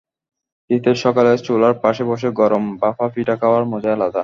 শীতের সকালে চুলার পাশে বসে গরম গরম ভাপা পিঠা খাওয়ার মজাই আলাদা।